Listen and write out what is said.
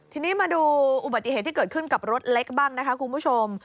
ทีนี้มาดูอุบัติเหตุที่เกิดขึ้นกับรถเล็กบ้างนะคะคุณผู้ชม